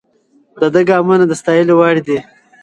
د ده ګامونه د ستایلو وړ دي.